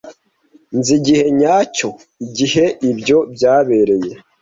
Nzi igihe nyacyo igihe ibyo byabereye.